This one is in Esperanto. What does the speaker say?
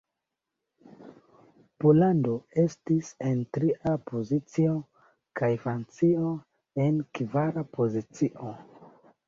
Pollando estis en tria pozicio, kaj Francio en kvara pozicio.